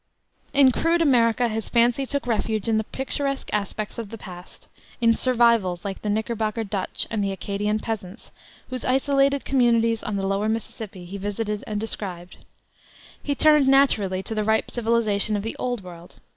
In crude America his fancy took refuge in the picturesque aspects of the past, in "survivals" like the Knickerbocker Dutch and the Acadian peasants, whose isolated communities on the lower Mississippi he visited and described. He turned naturally to the ripe civilization of the Old World.